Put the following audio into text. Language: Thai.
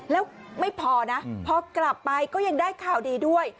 แล้วไม่พอนะพอกลับไปก็ยังได้ข่าวดีด้วย